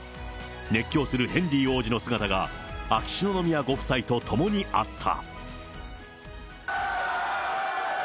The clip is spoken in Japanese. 熱狂するヘンリー王子の姿が、秋篠宮ご夫妻と共にあった。